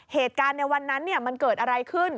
เหตุการณ์ในวันนั้นมันเกิดอะไรขึ้น